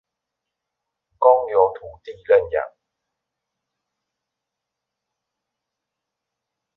公有土地認養